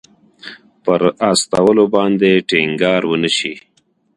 پر استولو باندې ټینګار ونه شي.